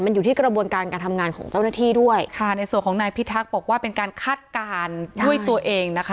อยู่ที่กระบวนการการทำงานของเจ้าหน้าที่ด้วยค่ะในส่วนของนายพิทักษ์บอกว่าเป็นการคาดการณ์ด้วยตัวเองนะคะ